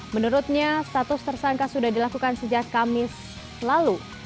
menurutnya status tersangka sudah dilakukan sejak kamis lalu